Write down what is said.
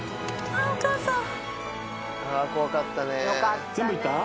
あぁ怖かったね。